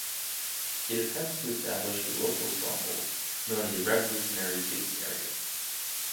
It attempts to establish a local stronghold known as a revolutionary base area.